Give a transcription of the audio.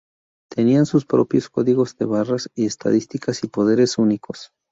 Tenían sus propios códigos de barras y estadísticas y poderes únicos.